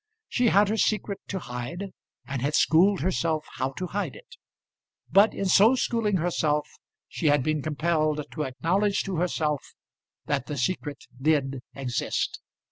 She had her secret to hide, and had schooled herself how to hide it. But in so schooling herself she had been compelled to acknowledge to herself that the secret did exist.